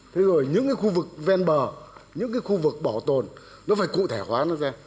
thế rồi những khu vực ven bờ những khu vực bỏ tồn nó phải cụ thể hóa ra